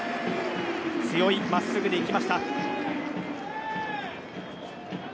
強い真っすぐでいきました。